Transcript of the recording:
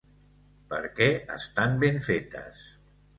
Perquè estan ben fetes.